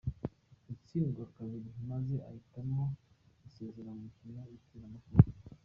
Atsindwa kabiri maze ahitamo gusezera ku mukino w'iteramakofe.